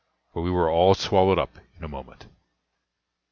for we were all swallowed up in a moment.